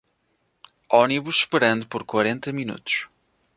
Ônibus esperando por quarenta minutos